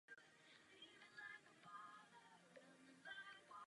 Na čem ale opravdu záleží je jeho provedení.